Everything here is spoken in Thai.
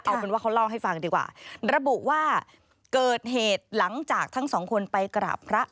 เอาเป็นว่าเขาเล่าให้ฟังดีกว่าระบุว่าเกิดเหตุหลังจากทั้งสองคนไปกราบพระ